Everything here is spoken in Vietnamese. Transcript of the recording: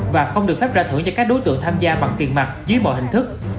và không được pháp ra thưởng cho các đối tượng tham gia bằng kiện mặt dưới mọi hình thức